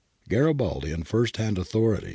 Garibaldian first hand authorities, q.